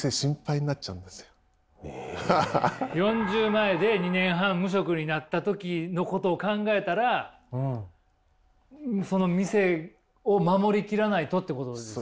４０前で２年半無職になった時のことを考えたらその店を守り切らないとってことですか？